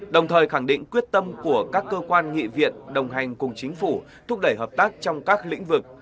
đồng thời khẳng định quyết tâm của các cơ quan nghị viện đồng hành cùng chính phủ thúc đẩy hợp tác trong các lĩnh vực